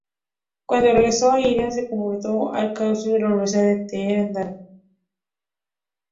Cuando regresó a Irán, se incorporó al claustro de la Universidad de Teherán.